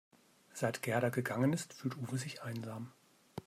Seit Gerda gegangen ist, fühlt Uwe sich einsam.